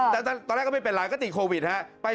แต่ตอนแรกก็ไม่เป็นไรก็ติดโควิดฮะ